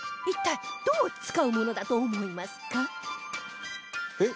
一体どう使うものだと思いますか？